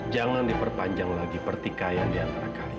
jangan diperpanjang lagi pertikaian di antara kalian